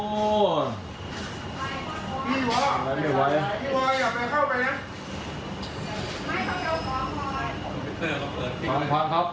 ไม่ไหวไม่ไหวอย่าไปเข้าไปน่ะ